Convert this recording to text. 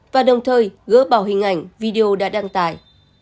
và đồng thời gỡ bỏ hình ảnh video đã đăng tải